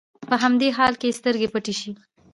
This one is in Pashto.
په همدې حال کې يې سترګې پټې شي.